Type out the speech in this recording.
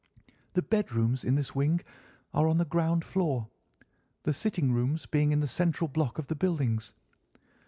The bedrooms in this wing are on the ground floor, the sitting rooms being in the central block of the buildings.